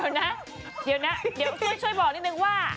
ก็คือว่าเดี๋ยวน่ะเดี๋ยวช่วยบอกนิดนึงว่า